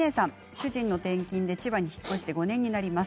主人の転勤で千葉に引っ越して５年になります。